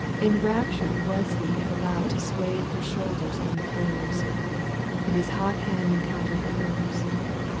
Enraptured was he if allowed To swathe her shoulders in the fars. If his hot hand encountered hers.